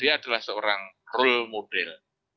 dia adalah seorang role model